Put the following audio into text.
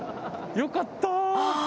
よかった。